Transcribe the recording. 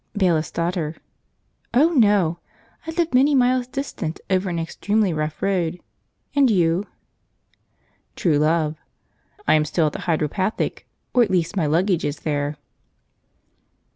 Bailiff's Daughter. "Oh no! I live many miles distant, over an extremely rough road. And you?" True Love. "I am still at the Hydropathic; or at least my luggage is there."